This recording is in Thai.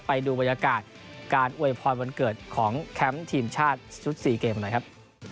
ไปดูบรรยากาศการอวยพรวันเกิดของแคมป์ทีมชาติชุด๔เกมกันหน่อยครับ